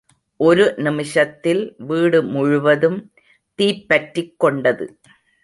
ஒரு நிமிஷத்தில் வீடு முழுவதும் தீப்பற்றிக் கொண்டது.